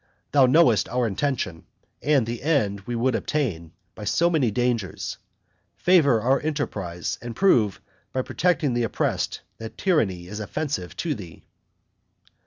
thou knowest our intention, and the end we would attain, by so many dangers; favor our enterprise, and prove, by protecting the oppressed, that tyranny is offensive to thee."